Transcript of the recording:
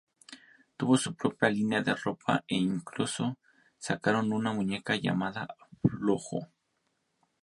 Tuvo su propia línea de ropa e incluso sacaron una muñeca llamada Flo-Jo.